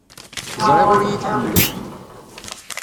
Ẓriɣ ur iyi-tḥemmlem.